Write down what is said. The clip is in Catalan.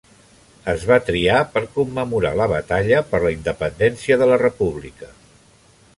Es va triar per commemorar la batalla per la independència de la república.